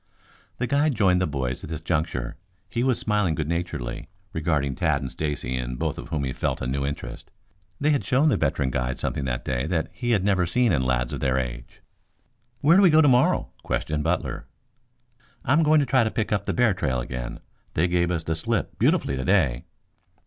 The guide joined the boys at this juncture. He was smiling good naturedly, regarding Tad and Stacy, in both of whom he felt a new interest. They had shown the veteran guide something that day that he never had seen in lads of their age. "Where do we go tomorrow?" questioned Butler. "I am going to try to pick up the bear trail again. They gave us the slip beautifully today."